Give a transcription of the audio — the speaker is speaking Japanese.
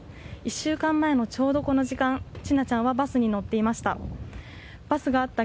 １週間前のちょうどこの時間、千奈ちゃんはバスに乗っていました。